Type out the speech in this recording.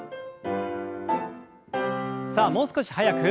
さあもう少し速く。